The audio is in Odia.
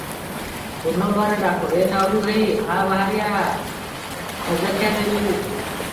ପୁନର୍ବାର ଡାକ "ଏ ନାଉରି ଭାଇ, ଆ ବାହାରି ଆ, ଖଜାଖିଆ ଦେବି ।"